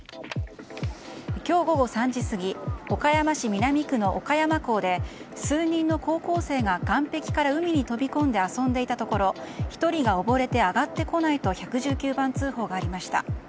今日午後３時過ぎ岡山市南区の岡山港で数人の高校生が岸壁から海に飛び込んで遊んでいたところ１人が溺れて上がってこないと１１９番通報がありました。